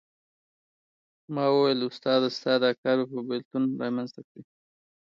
ما وویل استاده ستا دا کار به بېلتون رامېنځته کړي.